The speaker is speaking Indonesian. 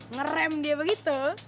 ngerem dia begitu